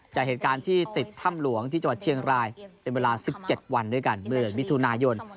จากเหตุการณ์ที่ติดถ้ำหลวงที่จังหวัดเชียงรายเป็นเวลา๑๗วันด้วยกันเมื่อเดือนมิถุนายน